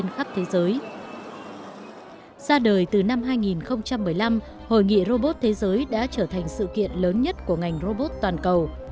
năm hai nghìn một mươi năm hội nghị robot thế giới đã trở thành sự kiện lớn nhất của ngành robot toàn cầu